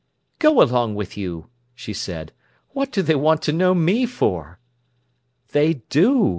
"Go along with you!" she said. "What do they want to know me for?" "They do!"